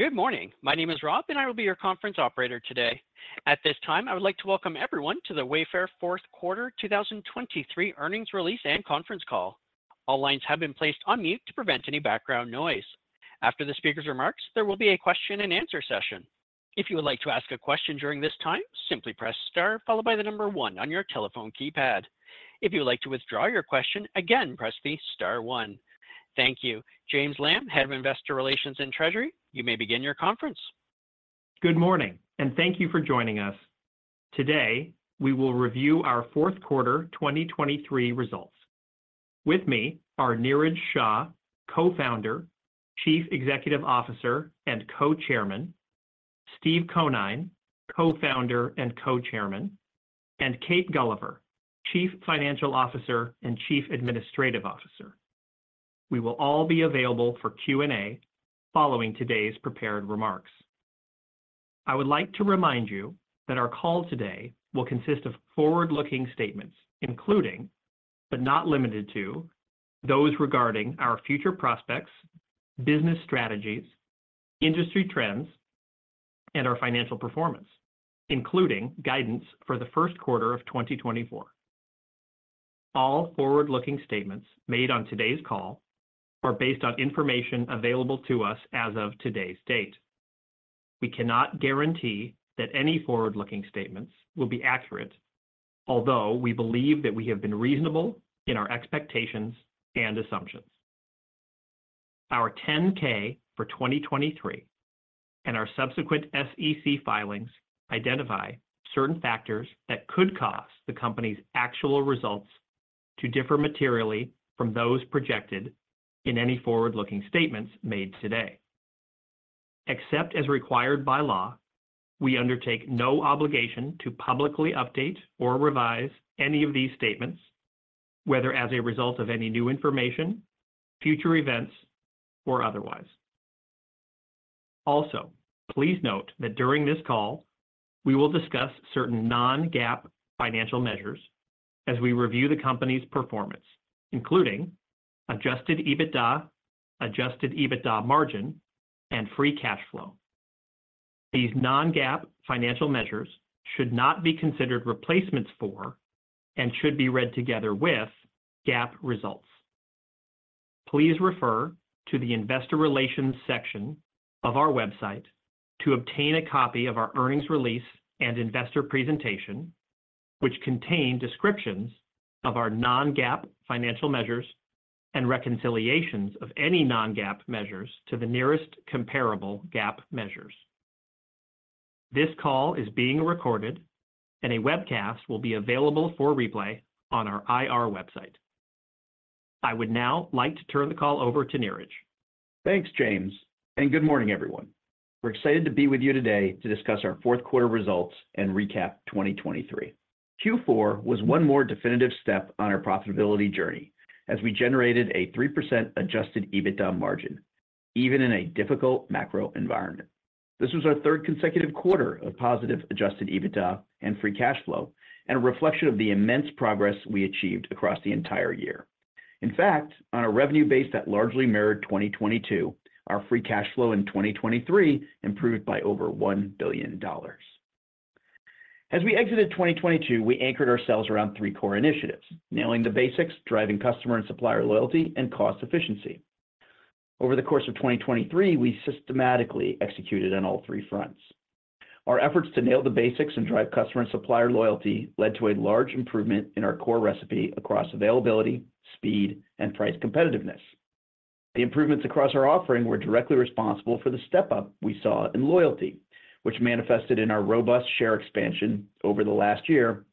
Good morning. My name is Rob, and I will be your conference operator today. At this time, I would like to welcome everyone to the Wayfair Fourth Quarter 2023 Earnings Release and Conference Call. All lines have been placed on mute to prevent any background noise. After the speaker's remarks, there will be a question-and-answer session. If you would like to ask a question during this time, simply press star followed by the number one on your telephone keypad. If you would like to withdraw your question, again, press the star one. Thank you. James Lamb, Head of Investor Relations and Treasury, you may begin your conference. Good morning, and thank you for joining us. Today, we will review our fourth quarter 2023 results. With me are Niraj Shah, Co-founder, Chief Executive Officer, and Co-chairman, Steve Conine, Co-founder and Co-chairman, and Kate Gulliver, Chief Financial Officer and Chief Administrative Officer. We will all be available for Q&A following today's prepared remarks. I would like to remind you that our call today will consist of forward-looking statements, including, but not limited to, those regarding our future prospects, business strategies, industry trends, and our financial performance, including guidance for the first quarter of 2024. All forward-looking statements made on today's call are based on information available to us as of today's date. We cannot guarantee that any forward-looking statements will be accurate, although we believe that we have been reasonable in our expectations and assumptions. Our 10-K for 2023 and our subsequent SEC filings identify certain factors that could cause the company's actual results to differ materially from those projected in any forward-looking statements made today. Except as required by law, we undertake no obligation to publicly update or revise any of these statements, whether as a result of any new information, future events, or otherwise. Also, please note that during this call, we will discuss certain non-GAAP financial measures as we review the company's performance, including adjusted EBITDA, adjusted EBITDA margin, and free cash flow. These non-GAAP financial measures should not be considered replacements for and should be read together with GAAP results. Please refer to the Investor Relations section of our website to obtain a copy of our earnings release and investor presentation, which contain descriptions of our non-GAAP financial measures and reconciliations of any non-GAAP measures to the nearest comparable GAAP measures. This call is being recorded, and a webcast will be available for replay on our IR website. I would now like to turn the call over to Niraj. Thanks, James, and good morning, everyone. We're excited to be with you today to discuss our fourth quarter results and recap 2023. Q4 was one more definitive step on our profitability journey as we generated a 3% Adjusted EBITDA margin, even in a difficult macro environment. This was our third consecutive quarter of positive Adjusted EBITDA and free cash flow, and a reflection of the immense progress we achieved across the entire year. In fact, on a revenue base that largely mirrored 2022, our free cash flow in 2023 improved by over $1 billion. As we exited 2022, we anchored ourselves around three core initiatives: nailing the basics, driving customer and supplier loyalty, and cost efficiency. Over the course of 2023, we systematically executed on all three fronts. Our efforts to nail the basics and drive customer and supplier loyalty led to a large improvement in our core recipe across availability, speed, and price competitiveness. The improvements across our offering were directly responsible for the step up we saw in loyalty, which manifested in our robust share expansion over the last year,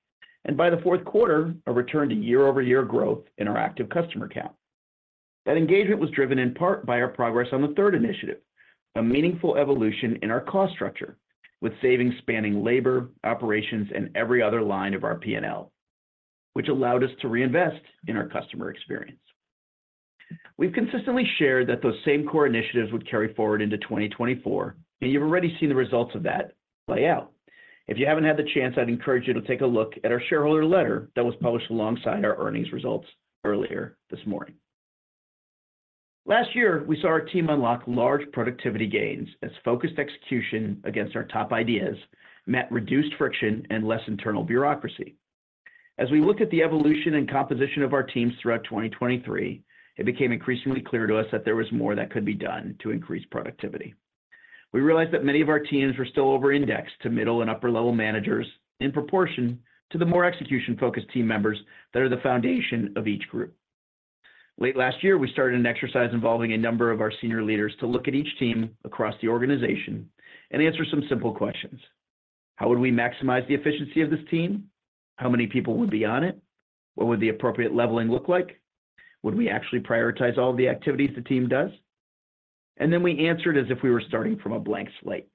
and by the fourth quarter, a return to year-over-year growth in our active customer count. That engagement was driven in part by our progress on the third initiative, a meaningful evolution in our cost structure, with savings spanning labor, operations, and every other line of our P&L, which allowed us to reinvest in our customer experience. We've consistently shared that those same core initiatives would carry forward into 2024, and you've already seen the results of that play out. If you haven't had the chance, I'd encourage you to take a look at our shareholder letter that was published alongside our earnings results earlier this morning. Last year, we saw our team unlock large productivity gains as focused execution against our top ideas met reduced friction and less internal bureaucracy. As we looked at the evolution and composition of our teams throughout 2023, it became increasingly clear to us that there was more that could be done to increase productivity. We realized that many of our teams were still over-indexed to middle and upper-level managers in proportion to the more execution-focused team members that are the foundation of each group. Late last year, we started an exercise involving a number of our senior leaders to look at each team across the organization and answer some simple questions. How would we maximize the efficiency of this team? How many people would be on it? What would the appropriate leveling look like? Would we actually prioritize all the activities the team does? Then we answered as if we were starting from a blank slate.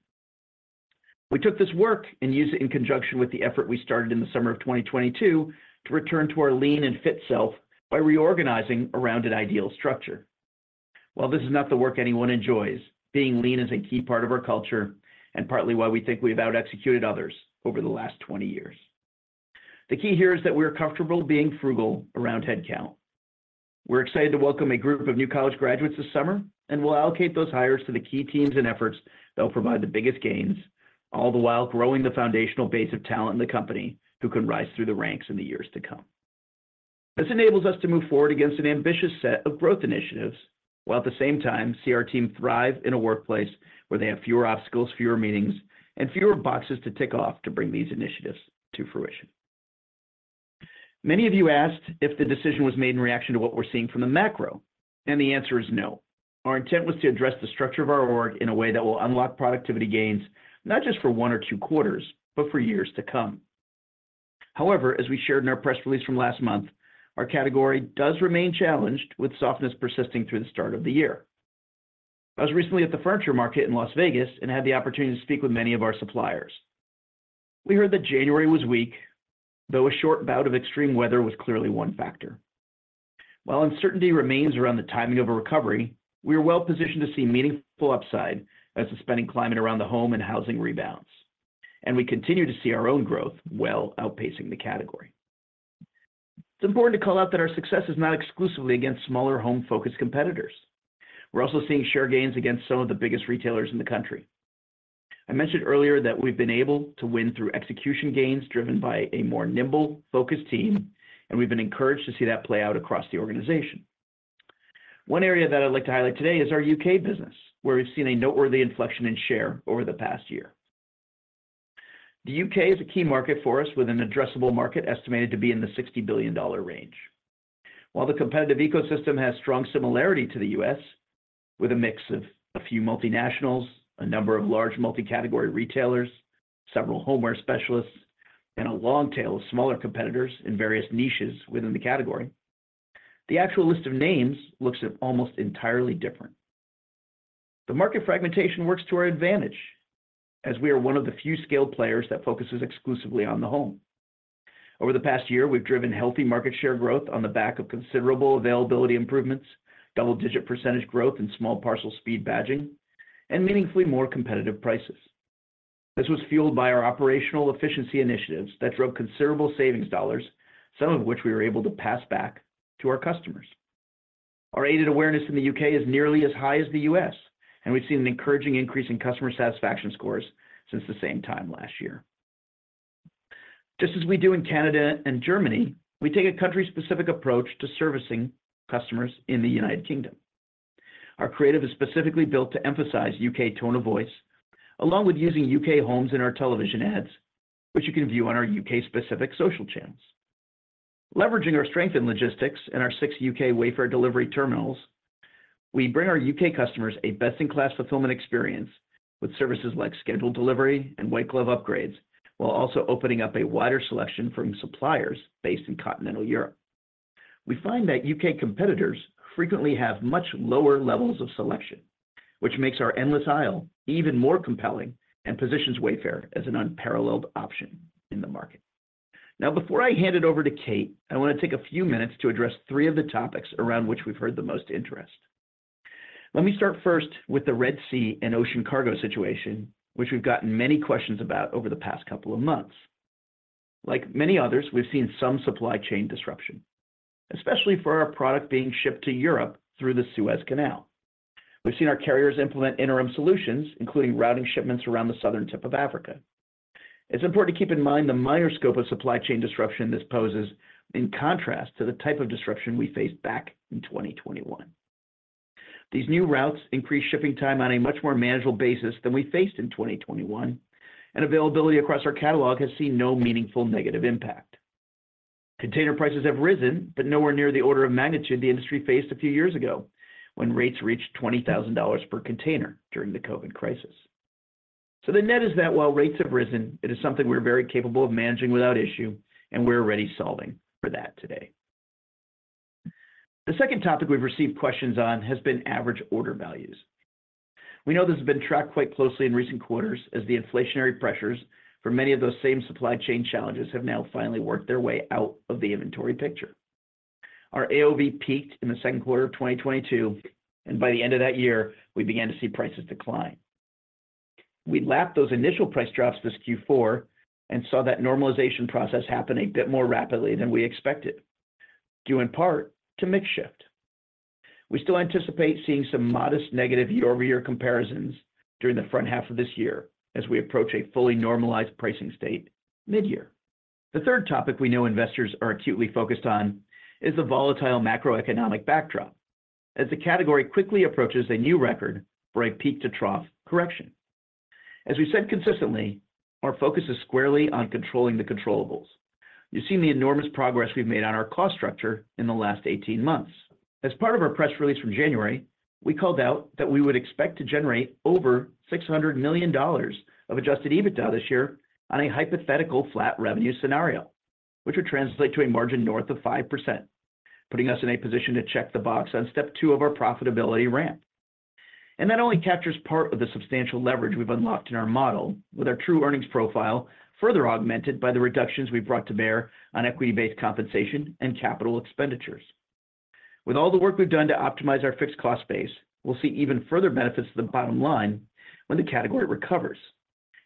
We took this work and used it in conjunction with the effort we started in the summer of 2022 to return to our lean and fit self by reorganizing around an ideal structure. While this is not the work anyone enjoys, being lean is a key part of our culture and partly why we think we've out executed others over the last 20 years.... The key here is that we're comfortable being frugal around headcount. We're excited to welcome a group of new college graduates this summer, and we'll allocate those hires to the key teams and efforts that will provide the biggest gains, all the while growing the foundational base of talent in the company who can rise through the ranks in the years to come. This enables us to move forward against an ambitious set of growth initiatives, while at the same time, see our team thrive in a workplace where they have fewer obstacles, fewer meetings, and fewer boxes to tick off to bring these initiatives to fruition. Many of you asked if the decision was made in reaction to what we're seeing from the macro, and the answer is no. Our intent was to address the structure of our org in a way that will unlock productivity gains, not just for one or two quarters, but for years to come. However, as we shared in our press release from last month, our category does remain challenged, with softness persisting through the start of the year. I was recently at the furniture market in Las Vegas and had the opportunity to speak with many of our suppliers. We heard that January was weak, though a short bout of extreme weather was clearly one factor. While uncertainty remains around the timing of a recovery, we are well positioned to see meaningful upside as the spending climate around the home and housing rebounds, and we continue to see our own growth well outpacing the category. It's important to call out that our success is not exclusively against smaller home-focused competitors. We're also seeing share gains against some of the biggest retailers in the country. I mentioned earlier that we've been able to win through execution gains, driven by a more nimble, focused team, and we've been encouraged to see that play out across the organization. One area that I'd like to highlight today is our U.K. business, where we've seen a noteworthy inflection in share over the past year. The U.K. is a key market for us, with an addressable market estimated to be in the $60 billion range. While the competitive ecosystem has strong similarity to the U.S., with a mix of a few multinationals, a number of large multi-category retailers, several homeware specialists, and a long tail of smaller competitors in various niches within the category, the actual list of names looks almost entirely different. The market fragmentation works to our advantage, as we are one of the few scaled players that focuses exclusively on the home. Over the past year, we've driven healthy market share growth on the back of considerable availability improvements, double-digit % growth in small parcel speed badging, and meaningfully more competitive prices. This was fueled by our operational efficiency initiatives that drove considerable savings dollars, some of which we were able to pass back to our customers. Our aided awareness in the U.K. is nearly as high as the U.S., and we've seen an encouraging increase in customer satisfaction scores since the same time last year. Just as we do in Canada and Germany, we take a country-specific approach to servicing customers in the United Kingdom. Our creative is specifically built to emphasize U.K. tone of voice, along with using U.K. homes in our television ads, which you can view on our U.K.-specific social channels. Leveraging our strength in logistics and our six U.K. Wayfair delivery terminals, we bring our U.K. customers a best-in-class fulfillment experience with services like scheduled delivery and white glove upgrades, while also opening up a wider selection from suppliers based in continental Europe. We find that U.K. competitors frequently have much lower levels of selection, which makes our endless aisle even more compelling and positions Wayfair as an unparalleled option in the market. Now, before I hand it over to Kate, I want to take a few minutes to address three of the topics around which we've heard the most interest. Let me start first with the Red Sea and ocean cargo situation, which we've gotten many questions about over the past couple of months. Like many others, we've seen some supply chain disruption, especially for our product being shipped to Europe through the Suez Canal. We've seen our carriers implement interim solutions, including routing shipments around the southern tip of Africa. It's important to keep in mind the minor scope of supply chain disruption this poses, in contrast to the type of disruption we faced back in 2021. These new routes increase shipping time on a much more manageable basis than we faced in 2021, and availability across our catalog has seen no meaningful negative impact. Container prices have risen, but nowhere near the order of magnitude the industry faced a few years ago, when rates reached $20,000 per container during the COVID crisis. So the net is that while rates have risen, it is something we're very capable of managing without issue, and we're already solving for that today. The second topic we've received questions on has been average order values. We know this has been tracked quite closely in recent quarters as the inflationary pressures for many of those same supply chain challenges have now finally worked their way out of the inventory picture. Our AOV peaked in the second quarter of 2022, and by the end of that year, we began to see prices decline. We lapped those initial price drops this Q4 and saw that normalization process happen a bit more rapidly than we expected, due in part to mix shift. We still anticipate seeing some modest negative year-over-year comparisons during the front half of this year as we approach a fully normalized pricing state mid-year. The third topic we know investors are acutely focused on is the volatile macroeconomic backdrop, as the category quickly approaches a new record for a peak-to-trough correction. As we said consistently, our focus is squarely on controlling the controllables. You've seen the enormous progress we've made on our cost structure in the last 18 months. As part of our press release from January, we called out that we would expect to generate over $600 million of Adjusted EBITDA this year on a hypothetical flat revenue scenario, which would translate to a margin north of 5%, putting us in a position to check the box on step two of our profitability ramp. That only captures part of the substantial leverage we've unlocked in our model, with our true earnings profile further augmented by the reductions we've brought to bear on equity-based compensation and capital expenditures… With all the work we've done to optimize our fixed cost base, we'll see even further benefits to the bottom line when the category recovers,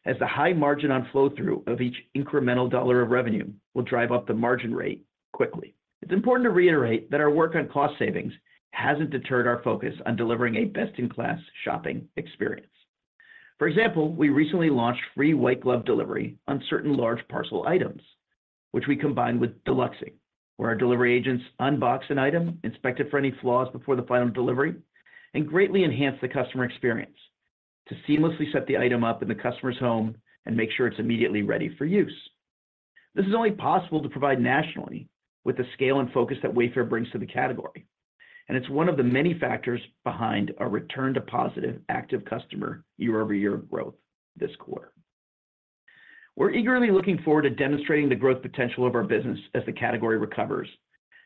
as the high margin on flow-through of each incremental dollar of revenue will drive up the margin rate quickly. It's important to reiterate that our work on cost savings hasn't deterred our focus on delivering a best-in-class shopping experience. For example, we recently launched free White Glove Delivery on certain large parcel items, which we combined with deluxing, where our delivery agents unbox an item, inspect it for any flaws before the final delivery, and greatly enhance the customer experience to seamlessly set the item up in the customer's home and make sure it's immediately ready for use. This is only possible to provide nationally with the scale and focus that Wayfair brings to the category, and it's one of the many factors behind a return to positive active customer year-over-year growth this quarter. We're eagerly looking forward to demonstrating the growth potential of our business as the category recovers,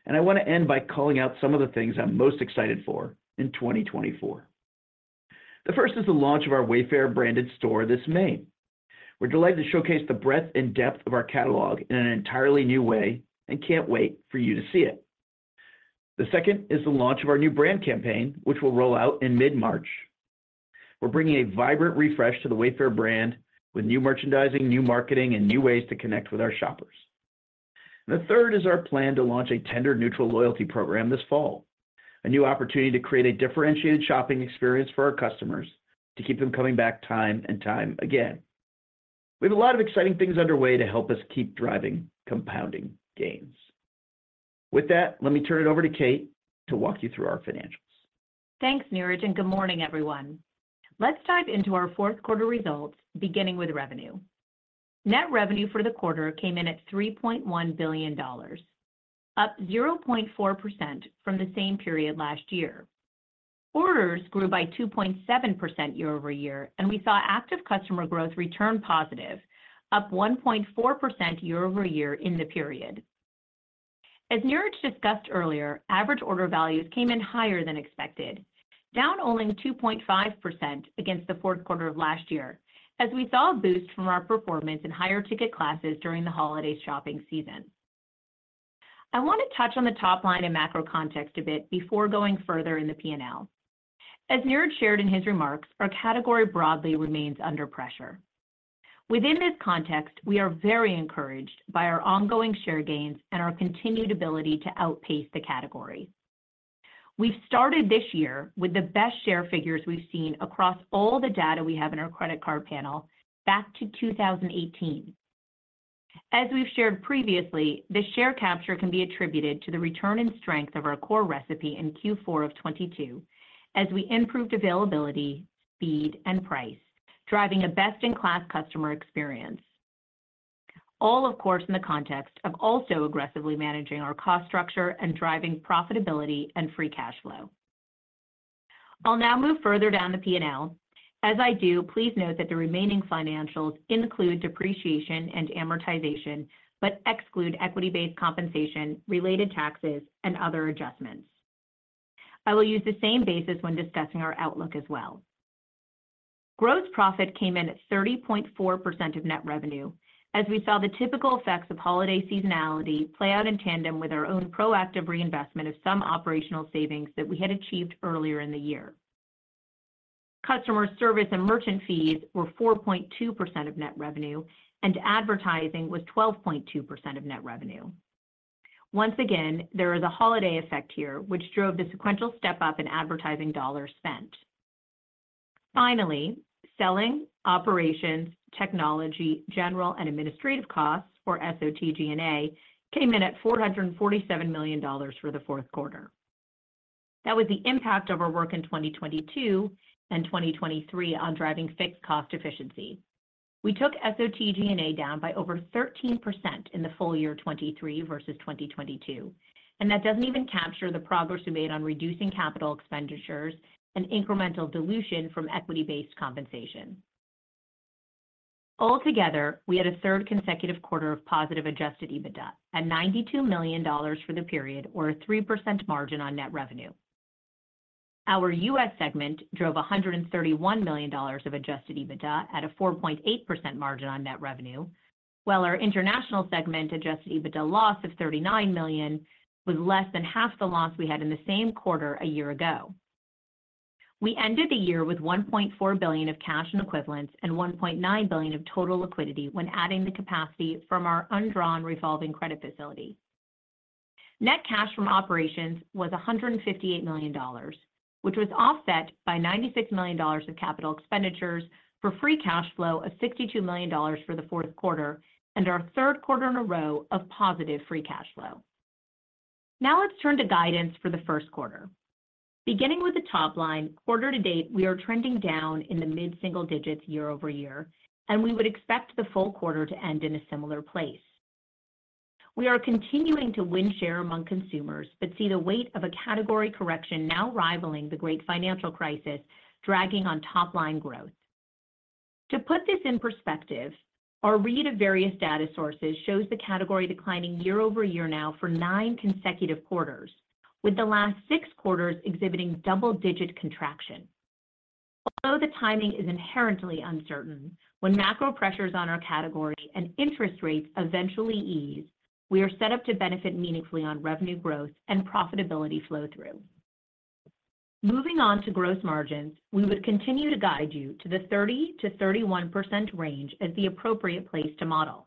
and I want to end by calling out some of the things I'm most excited for in 2024. The first is the launch of our Wayfair-branded store this May. We're delighted to showcase the breadth and depth of our catalog in an entirely new way and can't wait for you to see it. The second is the launch of our new brand campaign, which will roll out in mid-March. We're bringing a vibrant refresh to the Wayfair brand with new merchandising, new marketing, and new ways to connect with our shoppers. The third is our plan to launch a tender-neutral loyalty program this fall, a new opportunity to create a differentiated shopping experience for our customers to keep them coming back time and time again. We have a lot of exciting things underway to help us keep driving compounding gains. With that, let me turn it over to Kate to walk you through our financials. Thanks, Niraj, and good morning, everyone. Let's dive into our fourth quarter results, beginning with revenue. Net revenue for the quarter came in at $3.1 billion, up 0.4% from the same period last year. Orders grew by 2.7% year-over-year, and we saw active customer growth return positive, up 1.4% year-over-year in the period. As Niraj discussed earlier, average order values came in higher than expected, down only 2.5% against the fourth quarter of last year, as we saw a boost from our performance in higher ticket classes during the holiday shopping season. I want to touch on the top line and macro context a bit before going further in the P&L. As Niraj shared in his remarks, our category broadly remains under pressure. Within this context, we are very encouraged by our ongoing share gains and our continued ability to outpace the category. We've started this year with the best share figures we've seen across all the data we have in our credit card panel back to 2018. As we've shared previously, the share capture can be attributed to the return and strength of our core recipe in Q4 of 2022, as we improved availability, speed, and price, driving a best-in-class customer experience. All, of course, in the context of also aggressively managing our cost structure and driving profitability and free cash flow. I'll now move further down the P&L. As I do, please note that the remaining financials include depreciation and amortization, but exclude equity-based compensation, related taxes, and other adjustments. I will use the same basis when discussing our outlook as well. Gross profit came in at 30.4% of net revenue, as we saw the typical effects of holiday seasonality play out in tandem with our own proactive reinvestment of some operational savings that we had achieved earlier in the year. Customer service and merchant fees were 4.2% of net revenue, and advertising was 12.2% of net revenue. Once again, there is a holiday effect here, which drove the sequential step up in advertising dollars spent. Finally, selling, operations, technology, general, and administrative costs, or SOTG&A, came in at $447 million for the fourth quarter. That was the impact of our work in 2022 and 2023 on driving fixed cost efficiency. We took SOTG&A down by over 13% in the full year 2023 versus 2022, and that doesn't even capture the progress we made on reducing capital expenditures and incremental dilution from equity-based compensation. Altogether, we had a third consecutive quarter of positive adjusted EBITDA at $92 million for the period, or a 3% margin on net revenue. Our U.S. segment drove $131 million of adjusted EBITDA at a 4.8% margin on net revenue, while our International segment adjusted EBITDA loss of $39 million was less than half the loss we had in the same quarter a year ago. We ended the year with $1.4 billion of cash and equivalents and $1.9 billion of total liquidity when adding the capacity from our undrawn revolving credit facility. Net cash from operations was $158 million, which was offset by $96 million of capital expenditures for free cash flow of $62 million for the fourth quarter and our third quarter in a row of positive free cash flow. Now, let's turn to guidance for the first quarter. Beginning with the top line, quarter to date, we are trending down in the mid-single digits year-over-year, and we would expect the full quarter to end in a similar place. We are continuing to win share among consumers, but see the weight of a category correction now rivaling the great financial crisis dragging on top-line growth. To put this in perspective, our read of various data sources shows the category declining year-over-year now for nine consecutive quarters, with the last 6 quarters exhibiting double-digit contraction. Although the timing is inherently uncertain, when macro pressures on our category and interest rates eventually ease, we are set up to benefit meaningfully on revenue growth and profitability flow through. Moving on to gross margins, we would continue to guide you to the 30%-31% range as the appropriate place to model.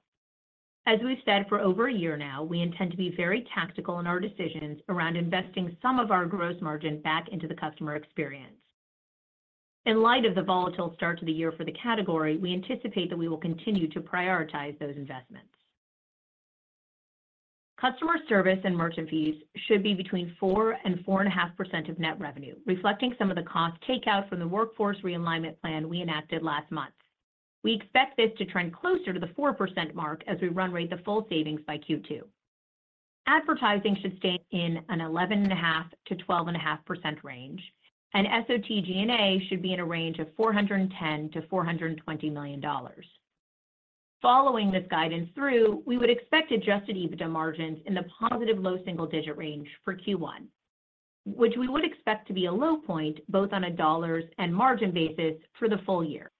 As we've said for over a year now, we intend to be very tactical in our decisions around investing some of our gross margin back into the customer experience. In light of the volatile start to the year for the category, we anticipate that we will continue to prioritize those investments. Customer service and merchant fees should be between 4% and 4.5% of net revenue, reflecting some of the cost takeout from the workforce realignment plan we enacted last month. We expect this to trend closer to the 4% mark as we run rate the full savings by Q2. Advertising should stay in an 11.5%-12.5% range, and SOTG&A should be in a range of $410 million-$420 million. Following this guidance through, we would expect Adjusted EBITDA margins in the positive low single digit range for Q1, which we would expect to be a low point, both on a dollars and margin basis for the full year.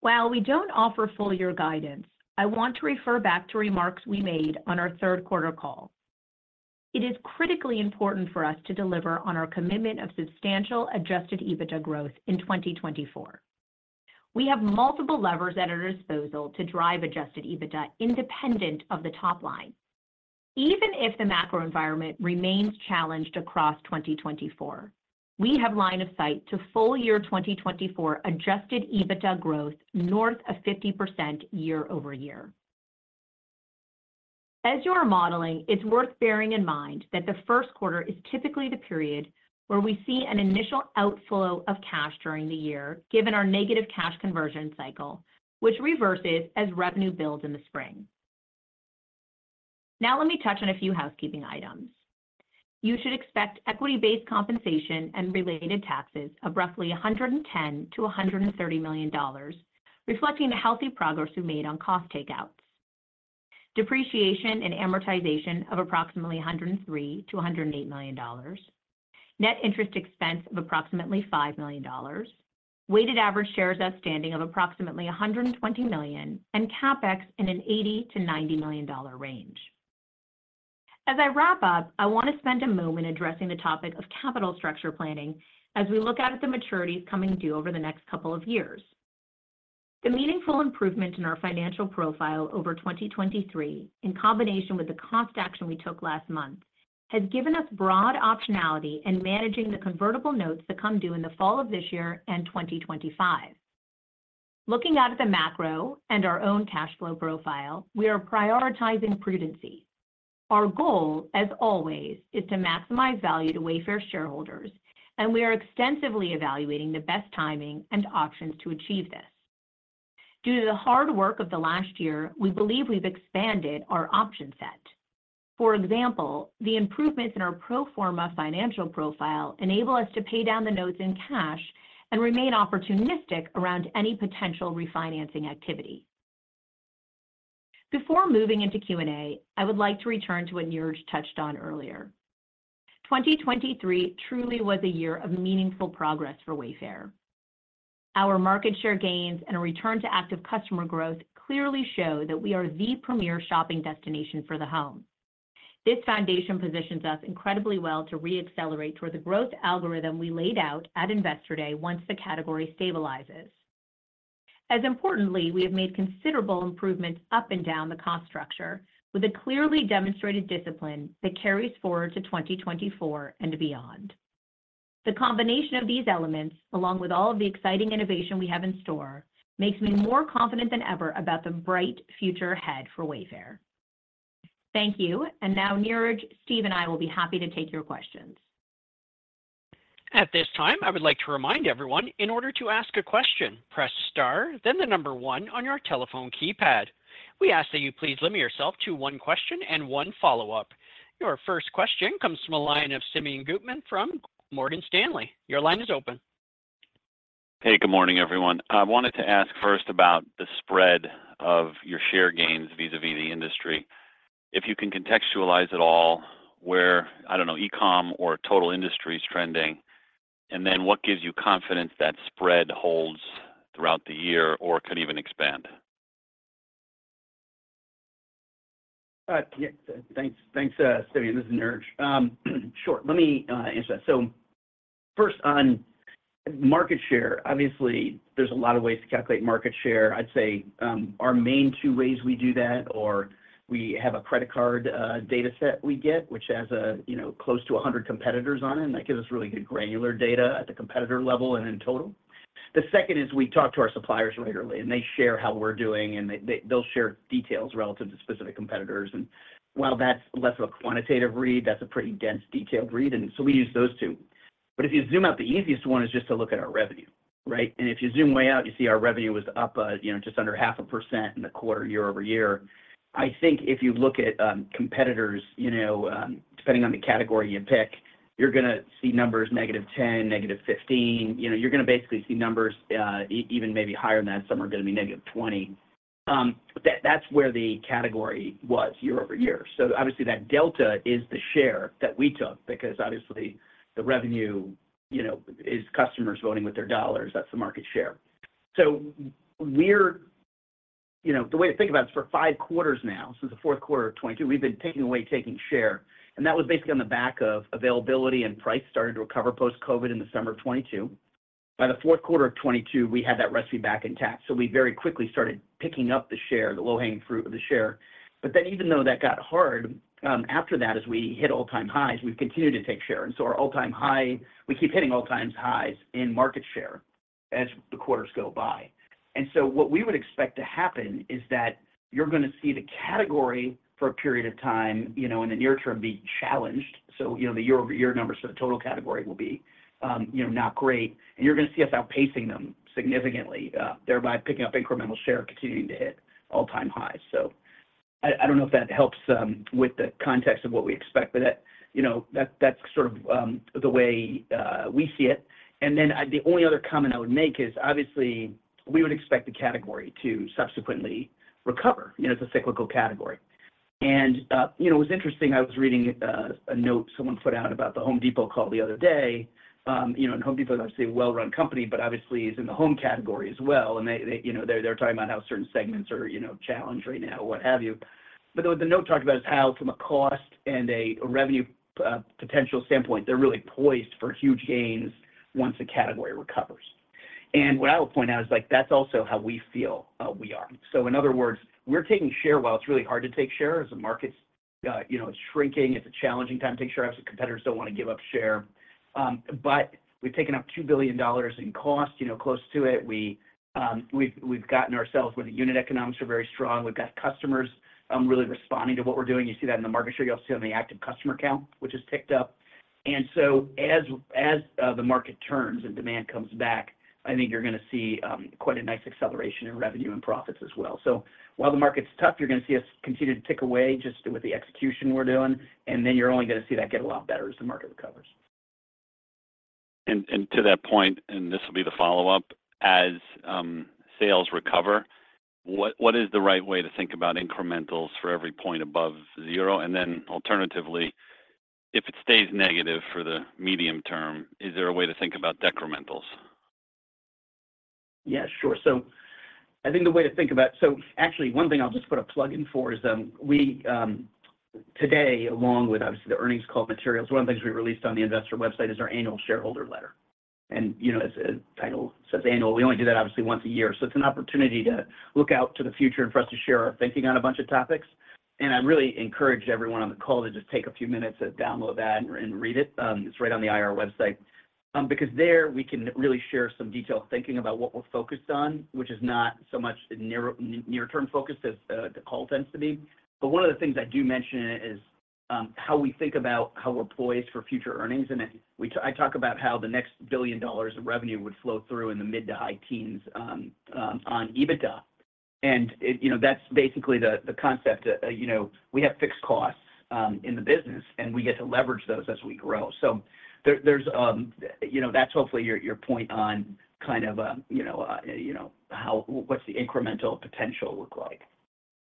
While we don't offer full year guidance, I want to refer back to remarks we made on our third quarter call. It is critically important for us to deliver on our commitment of substantial Adjusted EBITDA growth in 2024. We have multiple levers at our disposal to drive adjusted EBITDA independent of the top line. Even if the macro environment remains challenged across 2024, we have line of sight to full year 2024 adjusted EBITDA growth north of 50% year-over-year. As you are modeling, it's worth bearing in mind that the first quarter is typically the period where we see an initial outflow of cash during the year, given our negative cash conversion cycle, which reverses as revenue builds in the spring. Now, let me touch on a few housekeeping items. You should expect equity-based compensation and related taxes of roughly $110 million-$130 million, reflecting the healthy progress we made on cost takeouts. Depreciation and amortization of approximately $103 million-$108 million. Net interest expense of approximately $5 million. Weighted average shares outstanding of approximately 120 million, and CapEx in an $80 million-$90 million range. As I wrap up, I want to spend a moment addressing the topic of capital structure planning as we look out at the maturities coming due over the next couple of years. The meaningful improvement in our financial profile over 2023, in combination with the cost action we took last month, has given us broad optionality in managing the convertible notes that come due in the fall of this year and 2025. Looking out at the macro and our own cash flow profile, we are prioritizing prudence. Our goal, as always, is to maximize value to Wayfair's shareholders, and we are extensively evaluating the best timing and options to achieve this. Due to the hard work of the last year, we believe we've expanded our option set. For example, the improvements in our pro forma financial profile enable us to pay down the notes in cash and remain opportunistic around any potential refinancing activity. Before moving into Q&A, I would like to return to what Niraj touched on earlier. 2023 truly was a year of meaningful progress for Wayfair. Our market share gains and a return to active customer growth clearly show that we are the premier shopping destination for the home. This foundation positions us incredibly well to re-accelerate toward the growth algorithm we laid out at Investor Day once the category stabilizes. As importantly, we have made considerable improvements up and down the cost structure with a clearly demonstrated discipline that carries forward to 2024 and beyond. The combination of these elements, along with all of the exciting innovation we have in store, makes me more confident than ever about the bright future ahead for Wayfair. Thank you, and now, Niraj, Steve, and I will be happy to take your questions. At this time, I would like to remind everyone, in order to ask a question, press Star, then the number one on your telephone keypad. We ask that you please limit yourself to one question and one follow-up. Your first question comes from the line of Simeon Gutman from Morgan Stanley. Your line is open. Hey, good morning, everyone. I wanted to ask first about the spread of your share gains vis-à-vis the industry. If you can contextualize at all where, I don't know, e-com or total industry is trending, and then what gives you confidence that spread holds throughout the year or could even expand? Yeah, thanks. Thanks, Simeon. This is Niraj. Sure. Let me answer that. So first on market share. Obviously, there's a lot of ways to calculate market share. I'd say, our main two ways we do that are we have a credit card data set we get, which has a, you know, close to 100 competitors on it, and that gives us really good granular data at the competitor level and in total. The second is we talk to our suppliers regularly, and they share how we're doing, and they'll share details relative to specific competitors. And while that's less of a quantitative read, that's a pretty dense, detailed read, and so we use those two. But if you zoom out, the easiest one is just to look at our revenue, right? If you zoom way out, you see our revenue was up, you know, just under 0.5% in the quarter, year-over-year. I think if you look at, competitors, you know, depending on the category you pick, you're gonna see numbers -10%, -15%. You know, you're gonna basically see numbers, even maybe higher than that. Some are gonna be -20%.... that, that's where the category was year-over-year. So obviously, that delta is the share that we took, because obviously, the revenue, you know, is customers voting with their dollars. That's the market share. So we're-- you know, the way to think about it is for five quarters now, since the fourth quarter of 2022, we've been taking away, taking share, and that was basically on the back of availability and price starting to recover post-COVID in the summer of 2022. By the fourth quarter of 2022, we had that recipe back intact. So we very quickly started picking up the share, the low-hanging fruit of the share. But then even though that got hard, after that, as we hit all-time highs, we've continued to take share. And so our all-time high... We keep hitting all-time highs in market share as the quarters go by. And so what we would expect to happen is that you're gonna see the category for a period of time, you know, in the near term, be challenged. So, you know, the year-over-year numbers for the total category will be, you know, not great. And you're gonna see us outpacing them significantly, thereby picking up incremental share, continuing to hit all-time highs. So I don't know if that helps with the context of what we expect, but that, you know, that's sort of the way we see it. And then the only other comment I would make is, obviously, we would expect the category to subsequently recover. You know, it's a cyclical category. And you know, it was interesting, I was reading a note someone put out about the Home Depot call the other day. You know, and Home Depot is obviously a well-run company, but obviously is in the home category as well, and they, you know, they're talking about how certain segments are, you know, challenged right now, what have you. But what the note talked about is how, from a cost and a revenue potential standpoint, they're really poised for huge gains once the category recovers. And what I would point out is, like, that's also how we feel, we are. So in other words, we're taking share while it's really hard to take share, as the market's, you know, shrinking. It's a challenging time to take share, obviously, competitors don't want to give up share. But we've taken up $2 billion in cost, you know, close to it. We've gotten ourselves where the unit economics are very strong. We've got customers really responding to what we're doing. You see that in the market share. You also see it on the active customer count, which has ticked up. And so as the market turns and demand comes back, I think you're gonna see quite a nice acceleration in revenue and profits as well. So while the market's tough, you're gonna see us continue to tick away just with the execution we're doing, and then you're only gonna see that get a lot better as the market recovers. And to that point, and this will be the follow-up: as sales recover, what is the right way to think about incrementals for every point above zero? And then alternatively, if it stays negative for the medium term, is there a way to think about decrementals? Yeah, sure. So actually, one thing I'll just put a plug in for is, we today, along with, obviously, the earnings call materials, one of the things we released on the investor website is our annual shareholder letter. And, you know, as the title says, annual, we only do that obviously once a year. So it's an opportunity to look out to the future and for us to share our thinking on a bunch of topics. And I'd really encourage everyone on the call to just take a few minutes to download that and read it. It's right on the IR website. Because there, we can really share some detailed thinking about what we're focused on, which is not so much the near-term focus as the call tends to be. But one of the things I do mention in it is, how we think about how we're poised for future earnings. And it- we- I talk about how the next $1 billion of revenue would flow through in the mid to high teens, on EBITDA. And it... you know, that's basically the, the concept. You know, we have fixed costs, in the business, and we get to leverage those as we grow. So there, there's, you know, that's hopefully your, your point on kind of, you know, what's the incremental potential look like.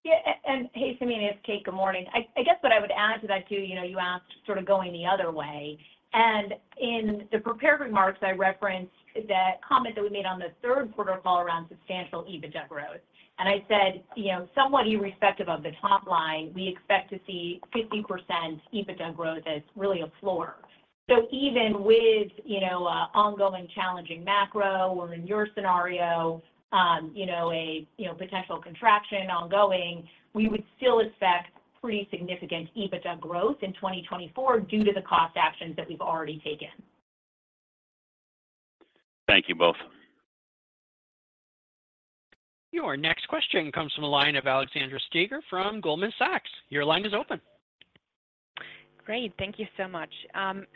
Yeah, and hey, Simeon, it's Kate. Good morning. I guess what I would add to that, too, you know, you asked sort of going the other way, and in the prepared remarks, I referenced that comment that we made on the third quarter call around substantial EBITDA growth. And I said, you know, somewhat irrespective of the top line, we expect to see 50% EBITDA growth as really a floor. So even with, you know, ongoing challenging macro or in your scenario, you know, potential contraction ongoing, we would still expect pretty significant EBITDA growth in 2024 due to the cost actions that we've already taken. Thank you both. Your next question comes from the line of Alexandra Steiger from Goldman Sachs. Your line is open. Great. Thank you so much.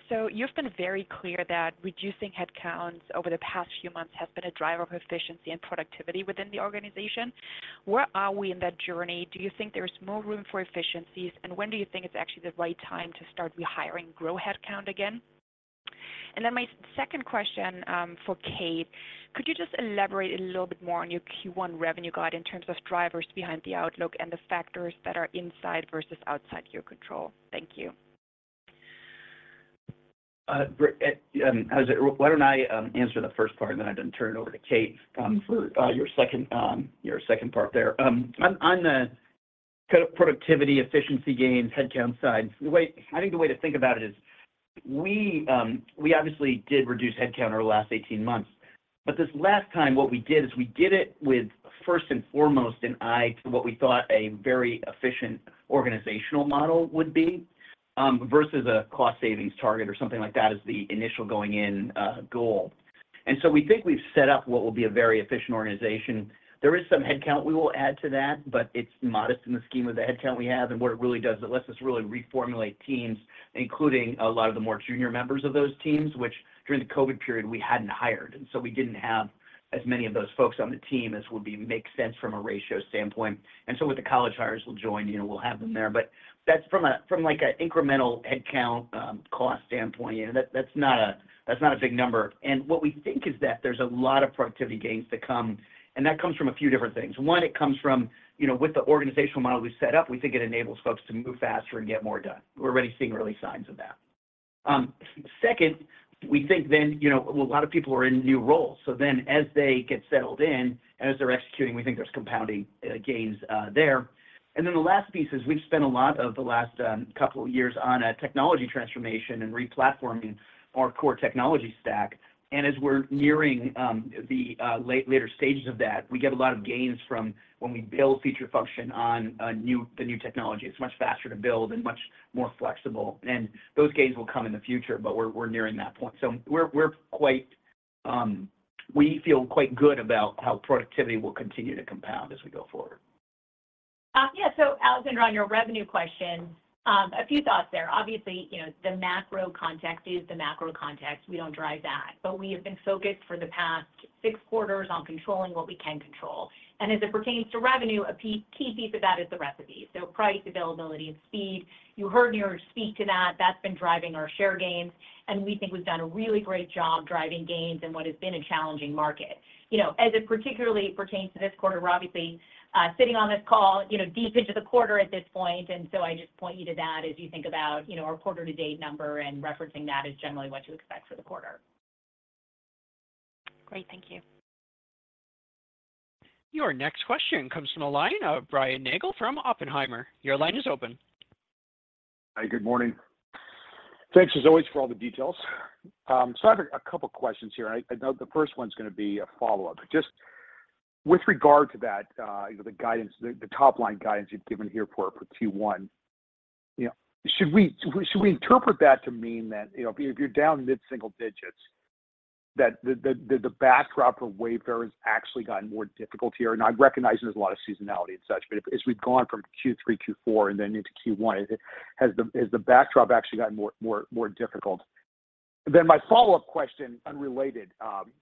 So you've been very clear that reducing headcounts over the past few months has been a driver of efficiency and productivity within the organization. Where are we in that journey? Do you think there is more room for efficiencies, and when do you think it's actually the right time to start rehiring grow headcount again? And then my second question, for Kate. Could you just elaborate a little bit more on your Q1 revenue guide in terms of drivers behind the outlook and the factors that are inside versus outside your control? Thank you. Bri, why don't I answer the first part, and then I turn it over to Kate for your second part there. On the pro-productivity, efficiency gains, headcount side, I think the way to think about it is we obviously did reduce headcount over the last 18 months. But this last time, what we did is we did it with, first and foremost, an eye to what we thought a very efficient organizational model would be, versus a cost savings target or something like that as the initial going in goal. And so we think we've set up what will be a very efficient organization. There is some headcount we will add to that, but it's modest in the scheme of the headcount we have. What it really does, it lets us really reformulate teams including a lot of the more junior members of those teams, which during the COVID period we hadn't hired, and so we didn't have as many of those folks on the team as would make sense from a ratio standpoint. So with the college hires, we'll join, you know, we'll have them there. But that's from like a incremental headcount cost standpoint, you know, that, that's not a, that's not a big number. And what we think is that there's a lot of productivity gains to come, and that comes from a few different things. One, it comes from, you know, with the organizational model we set up, we think it enables folks to move faster and get more done. We're already seeing early signs of that. Second, we think then, you know, a lot of people are in new roles, so then as they get settled in and as they're executing, we think there's compounding gains there. And then the last piece is we've spent a lot of the last couple of years on a technology transformation and re-platforming our core technology stack. And as we're nearing the later stages of that, we get a lot of gains from when we build feature function on the new technology. It's much faster to build and much more flexible, and those gains will come in the future, but we're nearing that point. So we're quite. We feel quite good about how productivity will continue to compound as we go forward. Yeah, so Alexandra, on your revenue question, a few thoughts there. Obviously, you know, the macro context is the macro context. We don't drive that. But we have been focused for the past six quarters on controlling what we can control. And as it pertains to revenue, a key piece of that is the recipe, so price, availability, and speed. You heard Niraj speak to that. That's been driving our share gains, and we think we've done a really great job driving gains in what has been a challenging market. You know, as it particularly pertains to this quarter, we're obviously sitting on this call, you know, deep into the quarter at this point, and so I just point you to that as you think about, you know, our quarter to date number, and referencing that is generally what to expect for the quarter. Great. Thank you. Your next question comes from the line of Brian Nagel from Oppenheimer. Your line is open. Hi, good morning. Thanks, as always, for all the details. So I have a couple questions here, and I know the first one's gonna be a follow-up. Just with regard to that, you know, the guidance, the top-line guidance you've given here for Q1, you know, should we interpret that to mean that, you know, if you're down mid-single digits, that the backdrop for Wayfair has actually gotten more difficult here? And I recognize there's a lot of seasonality and such, but as we've gone from Q3, Q4, and then into Q1, has the backdrop actually gotten more difficult? Then my follow-up question, unrelated,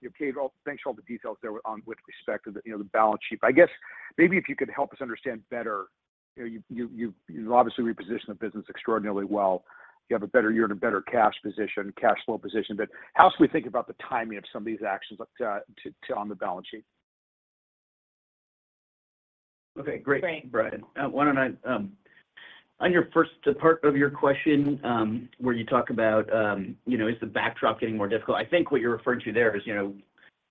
you gave... Thanks for all the details there on with respect to the, you know, the balance sheet. I guess maybe if you could help us understand better, you know, you've obviously repositioned the business extraordinarily well. You have a better year and a better cash position, cash flow position. But how should we think about the timing of some of these actions, like, to on the balance sheet? Okay, great, Brian. Great. Why don't I, on your first part of your question, where you talk about, you know, is the backdrop getting more difficult, I think what you're referring to there is, you know,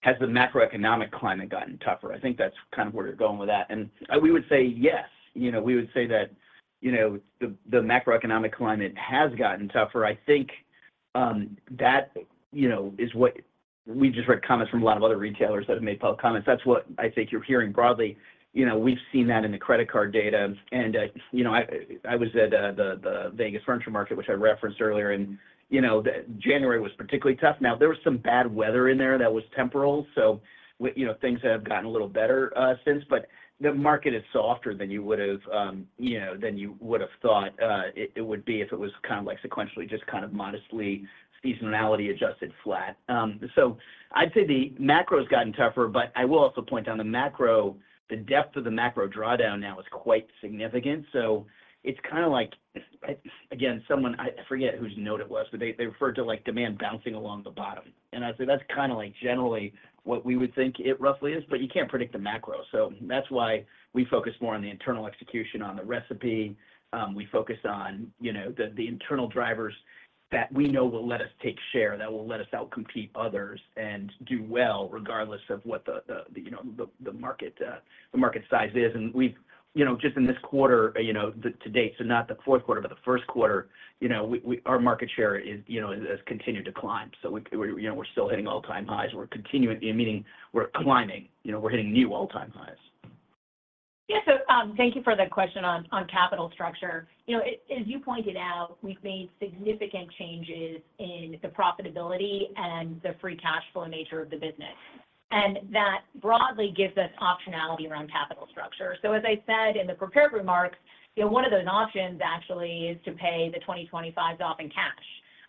has the macroeconomic climate gotten tougher? I think that's kind of where you're going with that. And we would say yes. You know, we would say that, you know, the macroeconomic climate has gotten tougher. I think we just read comments from a lot of other retailers that have made public comments. That's what I think you're hearing broadly. You know, we've seen that in the credit card data. And, you know, I was at the Las Vegas furniture market, which I referenced earlier, and you know, January was particularly tough. Now, there was some bad weather in there that was temporal, so you know, things have gotten a little better since, but the market is softer than you would have, you know, than you would have thought, it would be if it was kind of like sequentially, just kind of modestly seasonality adjusted flat. So I'd say the macro's gotten tougher, but I will also point out on the macro, the depth of the macro drawdown now is quite significant. So it's kinda like, again, someone... I forget whose note it was, but they, they referred to, like, demand bouncing along the bottom. And I'd say that's kinda, like, generally what we would think it roughly is, but you can't predict the macro. So that's why we focus more on the internal execution, on the recipe. We focus on, you know, the internal drivers that we know will let us take share, that will let us outcompete others and do well, regardless of what the, you know, the market size is. And we've, you know, just in this quarter to date, so not the fourth quarter, but the first quarter, you know, our market share is, you know, has continued to climb. So we, you know, we're still hitting all-time highs. We're continuing, meaning we're climbing, you know, we're hitting new all-time highs. Yeah. So, thank you for that question on capital structure. You know, as you pointed out, we've made significant changes in the profitability and the free cash flow nature of the business, and that broadly gives us optionality around capital structure. So as I said in the prepared remarks, you know, one of those options actually is to pay the 2025 [off] in cash.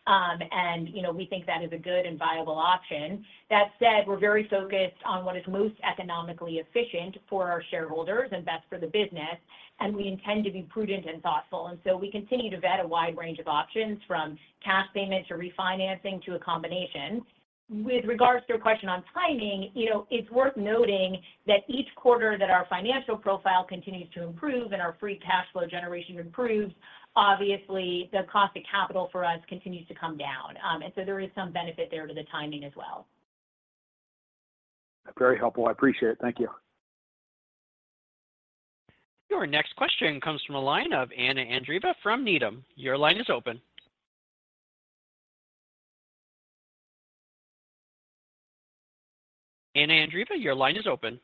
And, you know, we think that is a good and viable option. That said, we're very focused on what is most economically efficient for our shareholders and best for the business, and we intend to be prudent and thoughtful. And so we continue to vet a wide range of options, from cash payments to refinancing to a combination. With regards to your question on timing, you know, it's worth noting that each quarter that our financial profile continues to improve and our free cash flow generation improves, obviously, the cost of capital for us continues to come down. And so there is some benefit there to the timing as well. Very helpful, I appreciate it. Thank you. Your next question comes from the line of Anna Andreeva from Needham. Your line is open. Anna Andreeva, your line is open....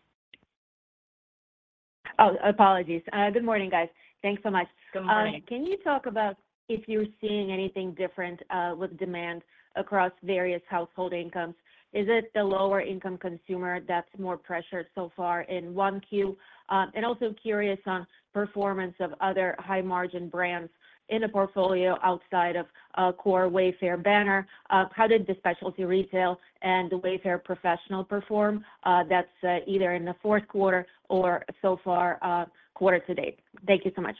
Oh, apologies. Good morning, guys. Thanks so much. Good morning. Can you talk about if you're seeing anything different with demand across various household incomes? Is it the lower-income consumer that's more pressured so far in 1Q? And also curious on performance of other high-margin brands in the portfolio outside of core Wayfair banner. How did the specialty retail and the Wayfair Professional perform, that's either in the fourth quarter or so far quarter to date? Thank you so much.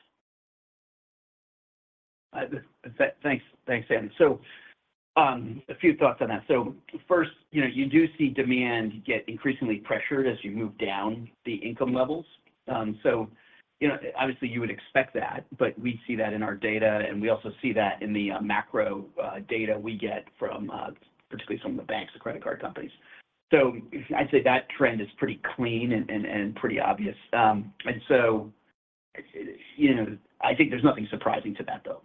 Thanks. Thanks, Anna. So, a few thoughts on that. So first, you know, you do see demand get increasingly pressured as you move down the income levels. So, you know, obviously, you would expect that, but we see that in our data, and we also see that in the macro data we get from particularly some of the banks or credit card companies. So I'd say that trend is pretty clean and pretty obvious. And so, you know, I think there's nothing surprising to that, though.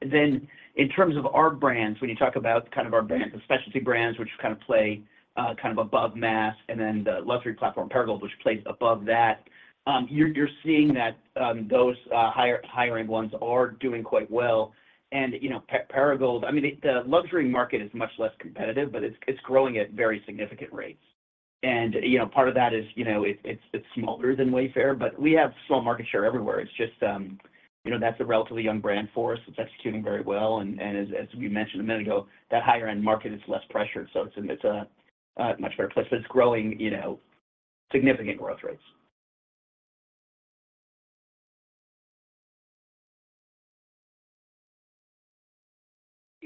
Then in terms of our brands, when you talk about kind of our brands, the specialty brands, which kind of play kind of above mass, and then the luxury platform, Perigold, which plays above that, you're seeing that those higher-end ones are doing quite well. You know, Perigold... I mean, the luxury market is much less competitive, but it's smaller than Wayfair, but we have small market share everywhere. It's just, you know, that's a relatively young brand for us. It's executing very well, and as we mentioned a minute ago, that higher-end market is less pressured, so it's in a much better place, but it's growing, you know, significant growth rates.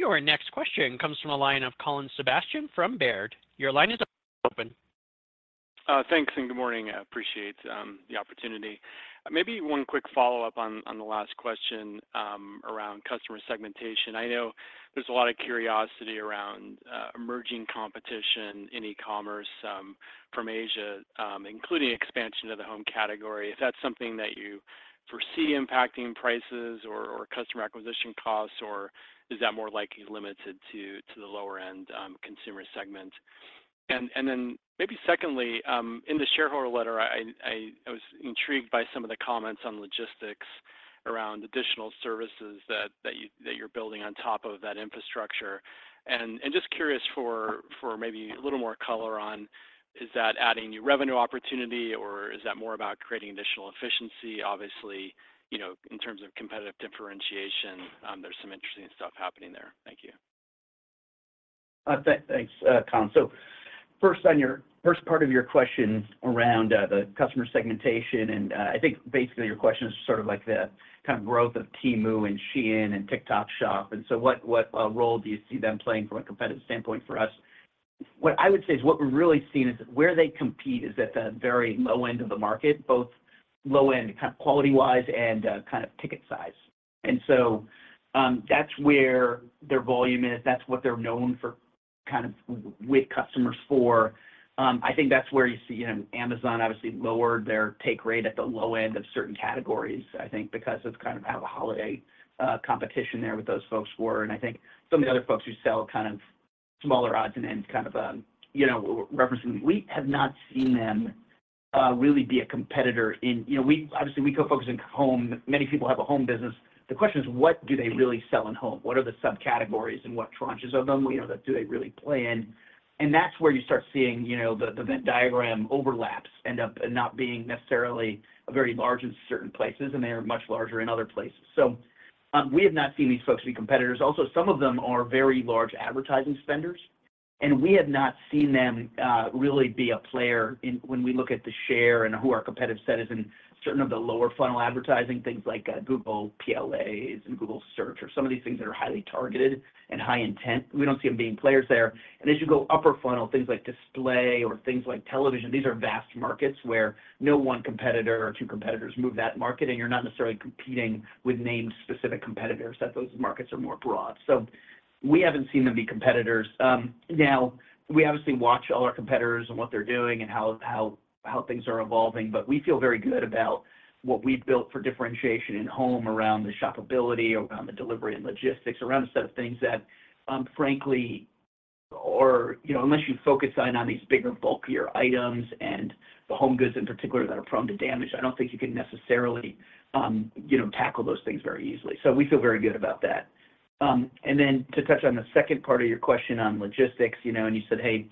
Your next question comes from the line of Colin Sebastian from Baird. Your line is open. Thanks, and good morning. I appreciate the opportunity. Maybe one quick follow-up on the last question around customer segmentation. I know there's a lot of curiosity around emerging competition in e-commerce from Asia, including expansion to the home category. Is that something that you foresee impacting prices or customer acquisition costs, or is that more likely limited to the lower-end consumer segment? And then maybe secondly, in the shareholder letter, I was intrigued by some of the comments on logistics around additional services that you are building on top of that infrastructure. And just curious for maybe a little more color on, is that adding new revenue opportunity, or is that more about creating additional efficiency? Obviously, you know, in terms of competitive differentiation, there's some interesting stuff happening there. Thank you. Thanks, Colin. So first, on your first part of your question around the customer segmentation, and I think basically your question is sort of like the kind of growth of Temu and Shein and TikTok Shop, and so what role do you see them playing from a competitive standpoint for us? What I would say is what we're really seeing is that where they compete is at the very low end of the market, both low end, kind of quality-wise and kind of ticket size. And so, that's where their volume is. That's what they're known for, kind of with customers for. I think that's where you see, you know, Amazon obviously lowered their take rate at the low end of certain categories, I think because of kind of how the holiday competition there with those folks were. I think some of the other folks who sell kind of smaller odds and ends, kind of, you know, referencing, we have not seen them really be a competitor in... You know, obviously, we go focus in home. Many people have a home business. The question is, what do they really sell in home? What are the subcategories and what tranches of them, you know, do they really play in? And that's where you start seeing, you know, the Venn diagram overlaps end up not being necessarily very large in certain places, and they are much larger in other places. So, we have not seen these folks be competitors. Also, some of them are very large advertising spenders, and we have not seen them, really be a player in when we look at the share and who our competitive set is in certain of the lower funnel advertising, things like, Google PLAs and Google Search, or some of these things that are highly targeted and high intent. We don't see them being players there. And as you go upper funnel, things like display or things like television, these are vast markets where no one competitor or two competitors move that market, and you're not necessarily competing with named specific competitors, that those markets are more broad. So we haven't seen them be competitors. Now, we obviously watch all our competitors and what they're doing and how things are evolving, but we feel very good about what we've built for differentiation in home, around the shoppability, around the delivery and logistics, around a set of things that, frankly, or, you know, unless you focus on these bigger, bulkier items and the home goods in particular that are prone to damage, I don't think you can necessarily, you know, tackle those things very easily. So we feel very good about that. And then to touch on the second part of your question on logistics, you know, and you said, "Hey,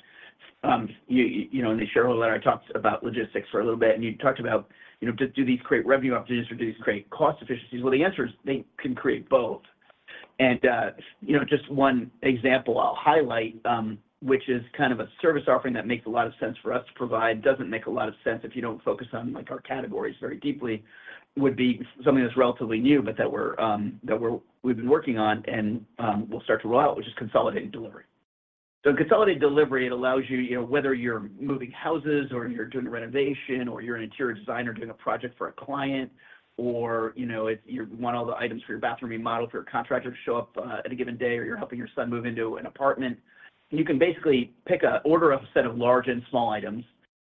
you know, in the shareholder letter, I talked about logistics for a little bit." And you talked about, you know, do these create revenue opportunities, or do these create cost efficiencies? Well, the answer is they can create both. And you know, just one example I'll highlight, which is kind of a service offering that makes a lot of sense for us to provide, doesn't make a lot of sense if you don't focus on, like, our categories very deeply, would be something that's relatively new but that we've been working on and we'll start to roll out, which is consolidated delivery. So consolidated delivery, it allows you, you know, whether you're moving houses or you're doing a renovation, or you're an interior designer doing a project for a client, or, you know, if you want all the items for your bathroom remodeled, for a contractor to show up at a given day, or you're helping your son move into an apartment, you can basically pick a, order a set of large and small items,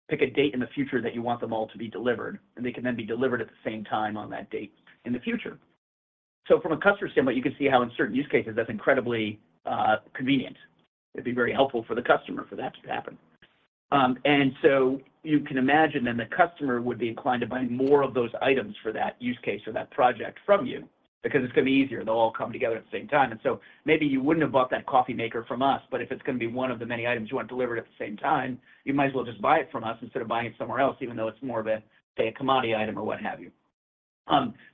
pick a date in the future that you want them all to be delivered, and they can then be delivered at the same time on that date in the future. So from a customer standpoint, you can see how in certain use cases, that's incredibly convenient. It'd be very helpful for the customer for that to happen. And so you can imagine then the customer would be inclined to buy more of those items for that use case or that project from you because it's going to be easier. They'll all come together at the same time. And so maybe you wouldn't have bought that coffee maker from us, but if it's going to be one of the many items you want delivered at the same time, you might as well just buy it from us instead of buying it somewhere else, even though it's more of a, say, a commodity item or what have you.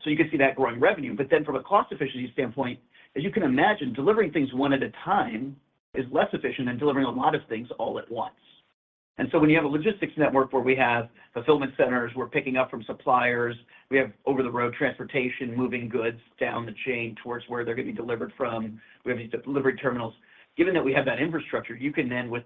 So you can see that growing revenue. But then from a cost efficiency standpoint, as you can imagine, delivering things one at a time is less efficient than delivering a lot of things all at once. And so when you have a logistics network where we have fulfillment centers, we're picking up from suppliers, we have over-the-road transportation, moving goods down the chain towards where they're going to be delivered from, we have these delivery terminals. Given that we have that infrastructure, you can then, with,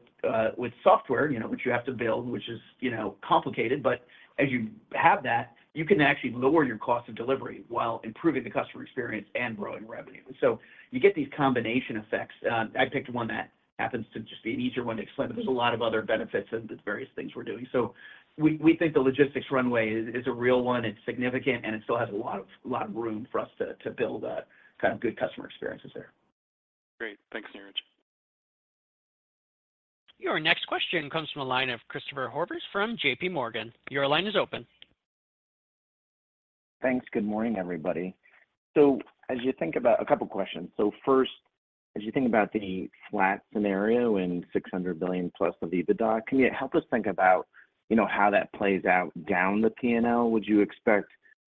with software, you know, which you have to build, which is, you know, complicated, but as you have that, you can actually lower your cost of delivery while improving the customer experience and growing revenue. So you get these combination effects. I picked one that happens to just be an easier one to explain, but there's a lot of other benefits of the various things we're doing. So we think the logistics runway is a real one, it's significant, and it still has a lot of room for us to build kind of good customer experiences there. Great. Thanks, Niraj. Your next question comes from the line of Christopher Horvers from JPMorgan. Your line is open. Thanks. Good morning, everybody. A couple questions. So first, as you think about the flat scenario and $600 billion+ of EBITDA, can you help us think about, you know, how that plays out down the P&L? Would you expect,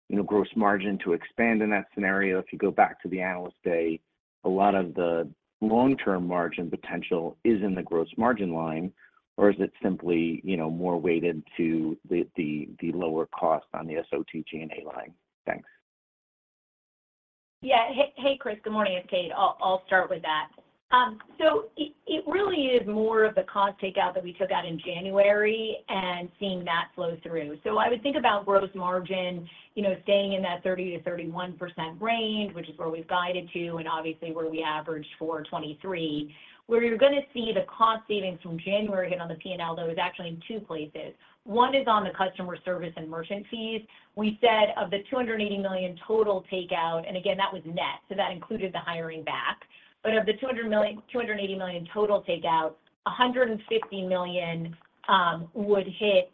you know, gross margin to expand in that scenario? If you go back to the Analyst Day, a lot of the long-term margin potential is in the gross margin line, or is it simply, you know, more weighted to the lower cost on the SOTG&A line? Thanks. Yeah. Hey, hey, Chris. Good morning, it's Kate. I'll start with that. So it really is more of the cost takeout that we took out in January and seeing that flow through. So I would think about gross margin, you know, staying in that 30%-31% range, which is where we've guided to and obviously where we averaged for 2023. Where you're going to see the cost savings from January hit on the P&L, though, is actually in two places. One is on the customer service and merchant fees. We said of the $280 million total takeout, and again, that was net, so that included the hiring back. But of the $200 million—$280 million total takeout, $150 million would hit,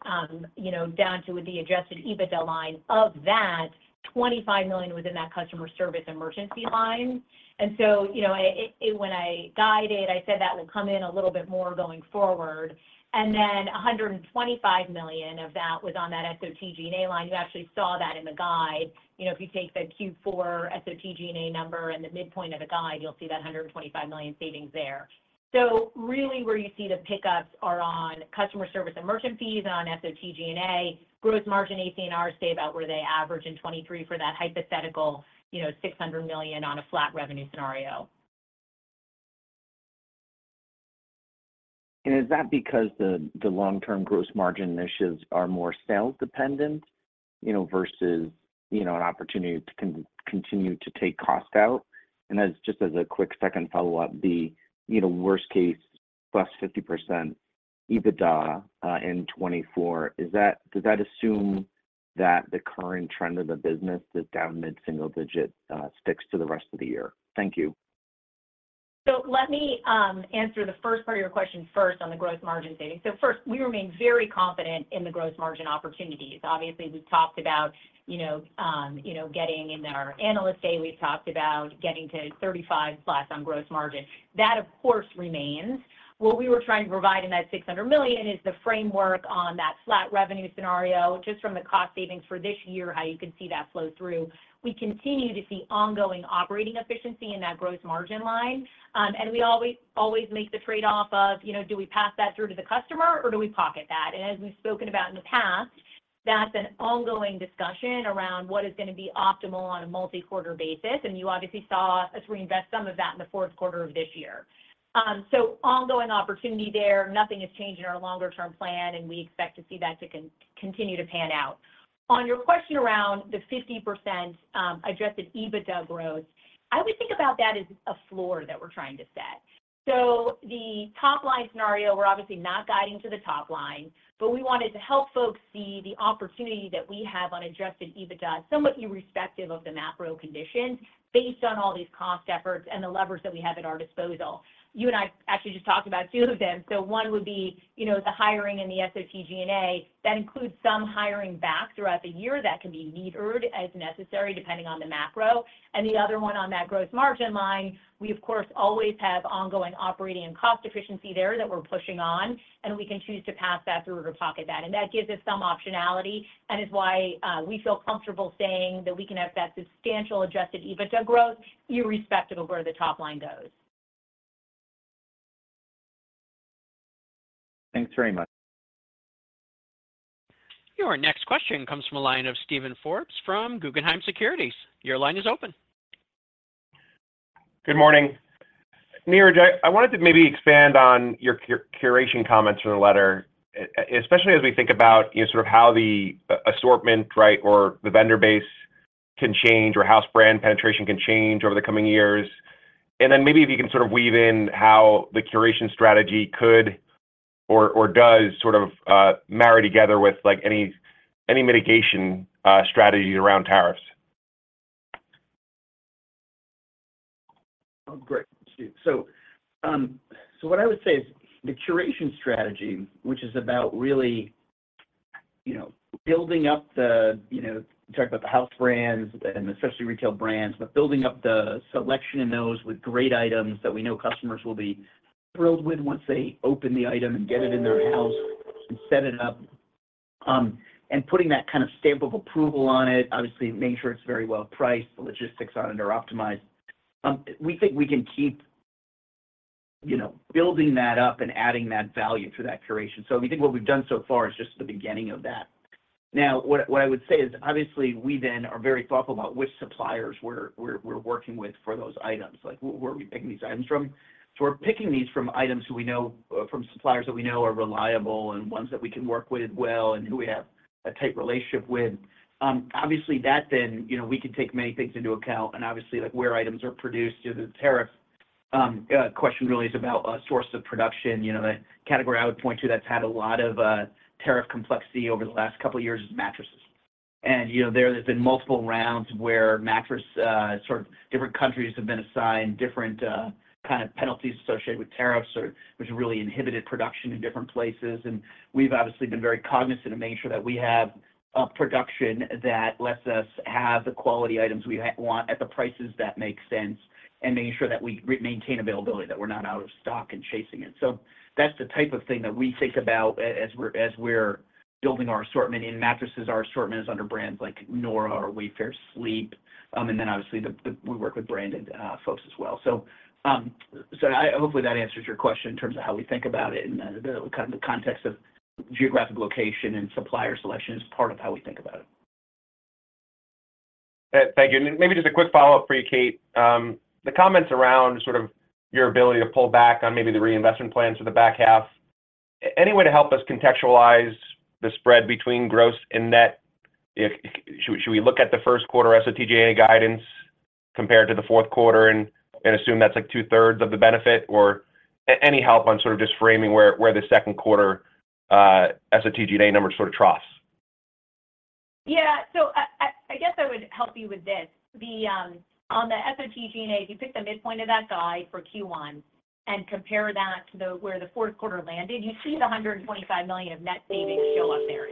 you know, down to the Adjusted EBITDA line. Of that, $25 million was in that customer service and merchant fee line. And so, you know, it—when I guided, I said that would come in a little bit more going forward, and then $125 million of that was on that SOTG&A line. You actually saw that in the guide. You know, if you take the Q4 SOTG&A number and the midpoint of the guide, you'll see that $125 million savings there. So really, where you see the pickups are on customer service and merchant fees and on SOTG&A. Gross margin, AC&R stay about where they average in 2023 for that hypothetical, you know, $600 million on a flat revenue scenario. And is that because the long-term gross margin initiatives are more sales dependent, you know, versus, you know, an opportunity to continue to take cost out? And as just a quick second follow-up, the, you know, worst case, +50% EBITDA, in 2024, does that assume that the current trend of the business, that down mid-single digit, sticks to the rest of the year? Thank you. So let me answer the first part of your question first on the growth margin savings. So first, we remain very confident in the growth margin opportunities. Obviously, we've talked about, you know, you know, getting in our Analyst Day, we've talked about getting to 35%+ on gross margin. That, of course, remains. What we were trying to provide in that $600 million is the framework on that flat revenue scenario, just from the cost savings for this year, how you can see that flow through. We continue to see ongoing operating efficiency in that gross margin line. And we always, always make the trade-off of, you know, do we pass that through to the customer, or do we pocket that? As we've spoken about in the past, that's an ongoing discussion around what is going to be optimal on a multi-quarter basis, and you obviously saw us reinvest some of that in the fourth quarter of this year. So ongoing opportunity there. Nothing has changed in our longer-term plan, and we expect to see that to continue to pan out. On your question around the 50%, Adjusted EBITDA growth, I would think about that as a floor that we're trying to set. So the top-line scenario, we're obviously not guiding to the top line, but we wanted to help folks see the opportunity that we have on Adjusted EBITDA, somewhat irrespective of the macro conditions, based on all these cost efforts and the levers that we have at our disposal. You and I actually just talked about two of them. So one would be, you know, the hiring and the SOTG&A. That includes some hiring back throughout the year that can be metered as necessary, depending on the macro. And the other one on that gross margin line, we, of course, always have ongoing operating and cost efficiency there that we're pushing on, and we can choose to pass that through or to pocket that. And that gives us some optionality and is why we feel comfortable saying that we can have that substantial adjusted EBITDA growth, irrespective of where the top line goes. Thanks very much. Your next question comes from a line of Steven Forbes from Guggenheim Securities. Your line is open. Good morning. Niraj, I wanted to maybe expand on your curation comments in the letter, especially as we think about, you know, sort of how the assortment, right, or the vendor base can change or house brand penetration can change over the coming years. And then maybe if you can sort of weave in how the curation strategy could or does sort of marry together with, like, any mitigation strategies around tariffs? Oh, great, Steve. So, so what I would say is the curation strategy, which is about really, you know, building up the, you know, talk about the house brands and especially retail brands, but building up the selection in those with great items that we know customers will be thrilled with once they open the item and get it in their house and set it up. And putting that kind of stamp of approval on it, obviously, making sure it's very well priced, the logistics on it are optimized. We think we can keep, you know, building that up and adding that value through that curation. So we think what we've done so far is just the beginning of that. Now, what, what I would say is, obviously, we then are very thoughtful about which suppliers we're, we're, we're working with for those items. Like, where are we picking these items from? So we're picking these from suppliers that we know are reliable and ones that we can work with well, and who we have a tight relationship with. Obviously, that then, you know, we can take many things into account, and obviously, like, where items are produced. You know, the tariff question really is about source of production. You know, the category I would point to that's had a lot of tariff complexity over the last couple of years is mattresses. And, you know, there have been multiple rounds where mattress sort of different countries have been assigned different kind of penalties associated with tariffs or which have really inhibited production in different places. We've obviously been very cognizant of making sure that we have a production that lets us have the quality items we want at the prices that make sense, and making sure that we maintain availability, that we're not out of stock and chasing it. That's the type of thing that we think about as we're building our assortment. In mattresses, our assortment is under brands like Nora or Wayfair Sleep. Then obviously, we work with branded folks as well. Hopefully, that answers your question in terms of how we think about it, and kind of the context of geographic location and supplier selection is part of how we think about it. Thank you. Maybe just a quick follow-up for you, Kate. The comments around sort of your ability to pull back on maybe the reinvestment plans for the back half, any way to help us contextualize the spread between gross and net? Should we look at the first quarter SOTG&A guidance compared to the fourth quarter and assume that's, like, 2/3 of the benefit? Or any help on sort of just framing where the second quarter SOTG&A number sort of troughs. Yeah. So I guess I would help you with this. The, on the SOTG&A, if you pick the midpoint of that guide for Q1 and compare that to where the fourth quarter landed, you see the $125 million of net savings show up there,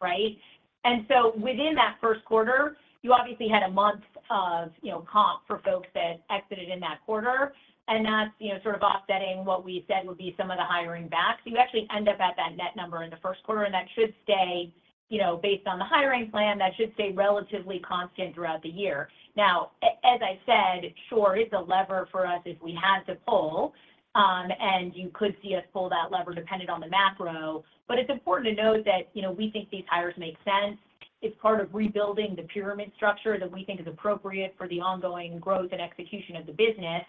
right? And so within that first quarter, you obviously had a month of, you know, comp for folks that exited in that quarter, and that's, you know, sort of offsetting what we said would be some of the hiring back. So you actually end up at that net number in the first quarter, and that should stay, you know, based on the hiring plan, that should stay relatively constant throughout the year. Now, as I said, sure, it's a lever for us if we had to pull, and you could see us pull that lever depending on the macro. But it's important to note that, you know, we think these hires make sense. It's part of rebuilding the pyramid structure that we think is appropriate for the ongoing growth and execution of the business.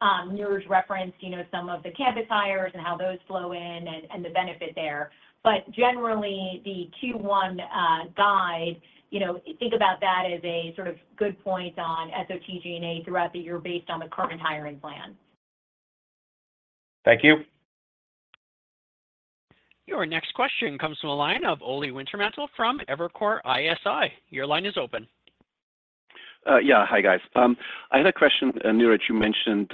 Niraj referenced, you know, some of the campus hires and how those flow in and, and the benefit there. But generally, the Q1 guide, you know, think about that as a sort of good point on SOTG&A throughout the year, based on the current hiring plan. Thank you. Your next question comes from the line of Oli Wintermantel from Evercore ISI. Your line is open. Yeah. Hi, guys. I had a question. Niraj, you mentioned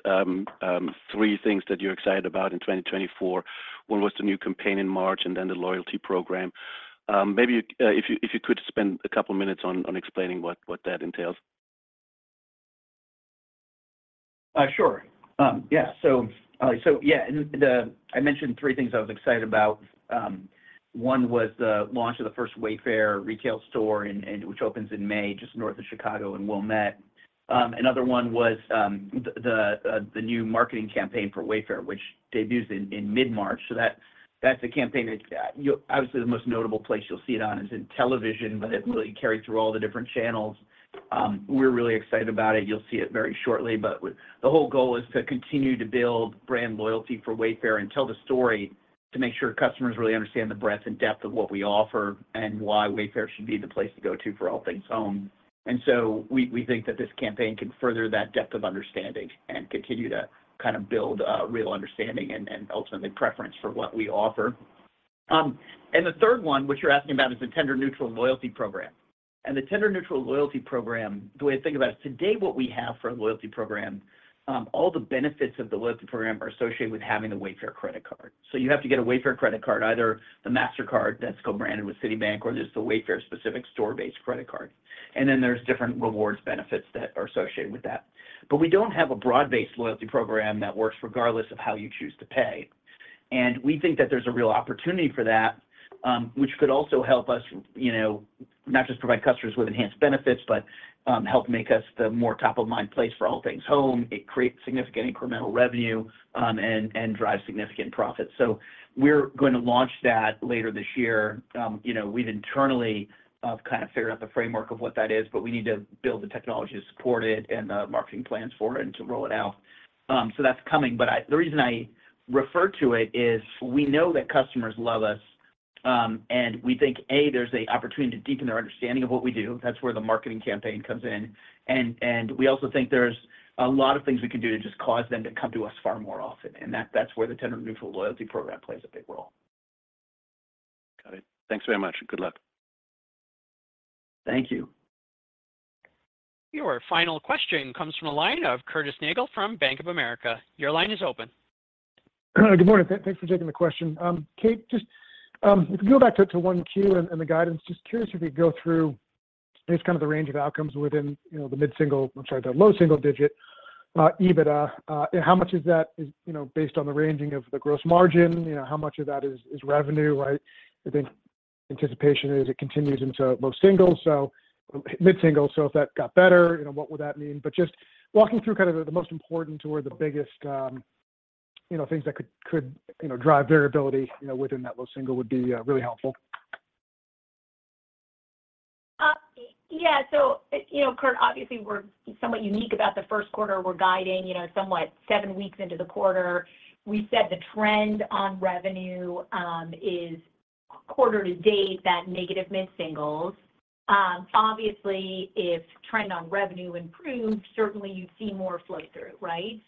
three things that you're excited about in 2024. One was the new campaign in March and then the loyalty program. Maybe if you could spend a couple of minutes on explaining what that entails. Sure. Yeah, so the—I mentioned three things I was excited about. One was the launch of the first Wayfair retail store, and which opens in May, just north of Chicago in Wilmette. Another one was the new marketing campaign for Wayfair, which debuts in mid-March. So that's a campaign that obviously, the most notable place you'll see it on is in television, but it really carried through all the different channels. We're really excited about it. You'll see it very shortly, but the whole goal is to continue to build brand loyalty for Wayfair and tell the story, to make sure customers really understand the breadth and depth of what we offer and why Wayfair should be the place to go to for all things home. And so we think that this campaign can further that depth of understanding and continue to kind of build real understanding and ultimately preference for what we offer. And the third one, which you're asking about, is the tender-neutral loyalty program. And the tender-neutral loyalty program, the way to think about it, today, what we have for a loyalty program, all the benefits of the loyalty program are associated with having the Wayfair credit card. So you have to get a Wayfair credit card, either the Mastercard that's co-branded with Citibank or just the Wayfair specific store-based credit card. And then there's different rewards benefits that are associated with that. But we don't have a broad-based loyalty program that works regardless of how you choose to pay. And we think that there's a real opportunity for that, which could also help us, you know, not just provide customers with enhanced benefits, but help make us the more top-of-mind place for all things home. It creates significant incremental revenue, and, and drives significant profit. So we're going to launch that later this year. You know, we've internally kind of figured out the framework of what that is, but we need to build the technology to support it and the marketing plans for it and to roll it out. So that's coming, but the reason I refer to it is we know that customers love us.... And we think there's an opportunity to deepen our understanding of what we do. That's where the marketing campaign comes in. We also think there's a lot of things we can do to just cause them to come to us far more often, and that's where the tender-neutral loyalty program plays a big role. Got it. Thanks very much, and good luck. Thank you. Your final question comes from the line of Curtis Nagle from Bank of America. Your line is open. Good morning. Thanks for taking the question. Kate, just if you go back to one Q and the guidance, just curious if you could go through just kind of the range of outcomes within, you know, the mid-single—I'm sorry, the low-single-digit EBITDA. How much of that is, you know, based on the ranging of the gross margin? You know, how much of that is revenue, right? I think anticipation is it continues into low single, so mid-single. So if that got better, you know, what would that mean? But just walking through kind of the most important or the biggest, you know, things that could drive variability, you know, within that low single would be really helpful. Yeah. So, you know, Kurt, obviously, we're somewhat unique about the first quarter. We're guiding, you know, somewhat seven weeks into the quarter. We said the trend on revenue is quarter to date, that negative mid-singles. Obviously, if trend on revenue improves, certainly you'd see more flow through, right?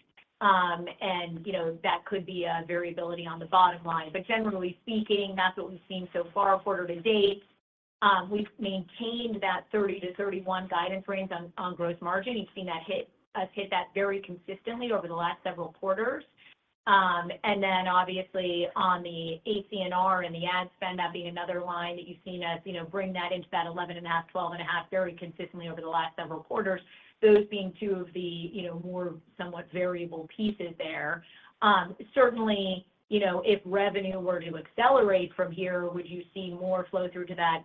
And, you know, that could be a variability on the bottom line. But generally speaking, that's what we've seen so far, quarter to date. We've maintained that 30%-31% guidance range on gross margin. You've seen us hit that very consistently over the last several quarters. And then, obviously, on the AC&R and the ad spend, that being another line that you've seen us, you know, bring that into that 11.5%, 12.5% very consistently over the last several quarters. Those being two of the, you know, more somewhat variable pieces there. Certainly, you know, if revenue were to accelerate from here, would you see more flow-through to that,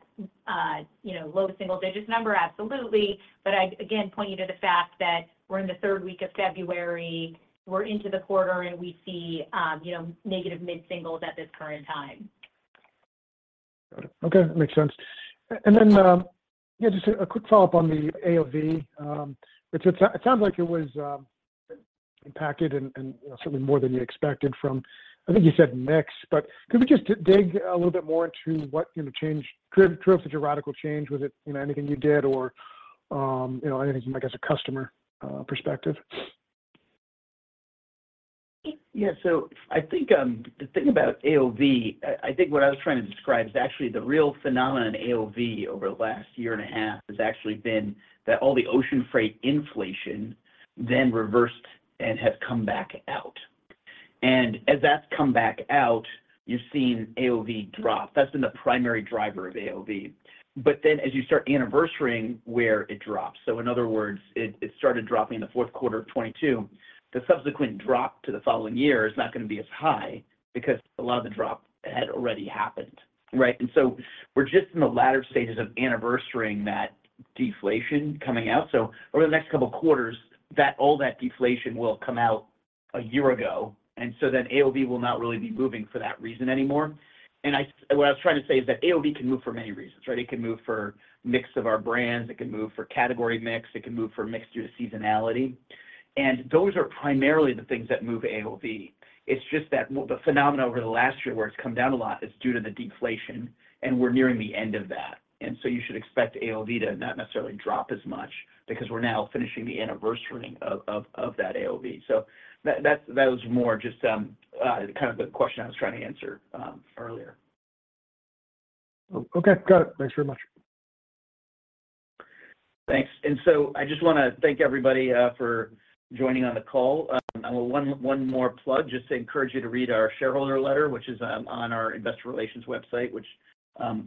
you know, low double digits number? Absolutely. But I'd, again, point you to the fact that we're in the third week of February, we're into the quarter, and we see, you know, negative mid-singles at this current time. Okay, makes sense. And then, yeah, just a quick follow-up on the AOV. It sounds like it was impacted and, you know, certainly more than you expected from... I think you said mix, but could we just dig a little bit more into what, you know, changed, drove such a radical change? Was it, you know, anything you did or, you know, anything, I guess, a customer perspective? Yeah. So I think the thing about AOV, I think what I was trying to describe is actually the real phenomenon in AOV over the last year and a half has actually been that all the ocean freight inflation then reversed and has come back out. And as that's come back out, you've seen AOV drop. That's been the primary driver of AOV. But then, as you start anniversary-ing where it drops, so in other words, it started dropping in the fourth quarter of 2022, the subsequent drop to the following year is not gonna be as high because a lot of the drop had already happened, right? And so we're just in the latter stages of anniversary-ing that deflation coming out. So over the next couple of quarters, that all that deflation will come out a year ago, and so then AOV will not really be moving for that reason anymore. And what I was trying to say is that AOV can move for many reasons, right? It can move for mix of our brands, it can move for category mix, it can move for mix due to seasonality. And those are primarily the things that move AOV. It's just that the phenomena over the last year where it's come down a lot is due to the deflation, and we're nearing the end of that. And so you should expect AOV to not necessarily drop as much because we're now finishing the anniversary-ing of that AOV. So that, that's that was more just kind of the question I was trying to answer earlier. Okay, got it. Thanks very much. Thanks. And so I just wanna thank everybody for joining on the call. One more plug, just to encourage you to read our shareholder letter, which is on our investor relations website, which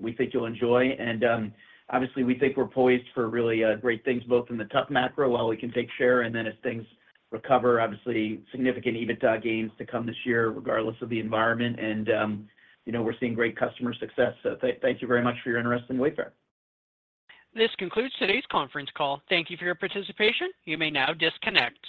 we think you'll enjoy. And obviously, we think we're poised for really great things, both in the tough macro, while we can take share, and then as things recover, obviously, significant EBITDA gains to come this year, regardless of the environment. And you know, we're seeing great customer success. So thank you very much for your interest in Wayfair. This concludes today's conference call. Thank you for your participation. You may now disconnect.